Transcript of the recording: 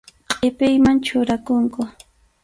Qʼipiyman churakunku.